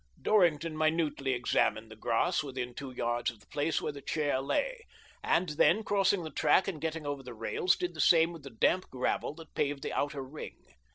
Dorrington minutely examined the grass within two yards of the place where the chair lay, and then, crossing the track and getting over the rails, did the same with the damp gravel that paved the outer ring.